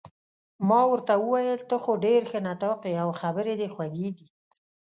ما ورته وویل: ته خو ډېر ښه نطاق يې، او خبرې دې خوږې دي.